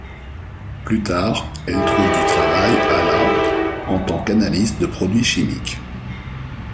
Plus tard, elle trouve du travail à la en tant qu'analyste de produits chimiques.